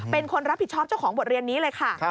เป็นคนรับผิดชอบเจ้าของบทเรียนนี้เลยค่ะ